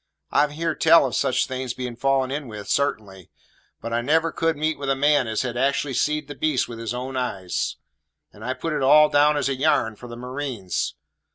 I've heern tell of such things bein' fallen in with, sartaintly; but I never could meet with a man as had act'ally seed the beast with his own eyes; and I put it all down as a yarn for the marines.